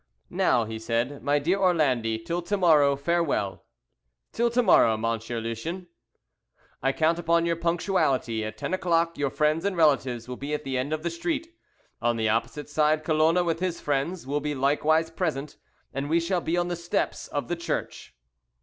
"Now," he said, "my dear Orlandi, till to morrow farewell." "Till to morrow, Monsieur Lucien?" "I count upon your punctuality. At ten o'clock your friends and relatives will be at the end of the street. On the opposite side Colona, with his friends, will be likewise present, and we shall be on the steps of the church."